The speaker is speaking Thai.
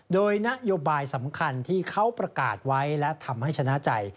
โดยนโยบายสำคัญที่เขาประกาศไว้และทำให้ชนะใจ